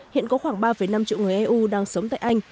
hiện có khoảng ba năm triệu người eu đang sống tại anh